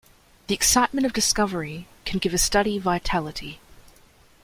The excitement of discovery can give a study vitality.